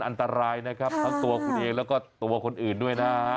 อันตรายนะครับทั้งตัวคุณเองแล้วก็ตัวคนอื่นด้วยนะฮะ